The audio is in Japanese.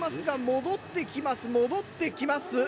戻ってきます。